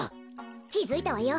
きづいたわよ。